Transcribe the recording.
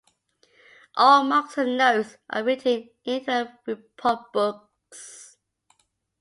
All marks and notes are written into our report books.